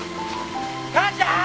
母ちゃん。